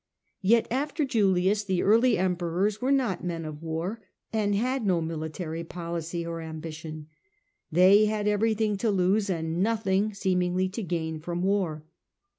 Yet after Julius the early Emperors were not men of his policy war, and had no military policy or ambition, moniy not They had everything to lose and nothing seemingly to gain from war.